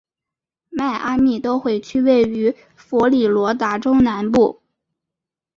迈阿密都会区位于佛罗里达州南部。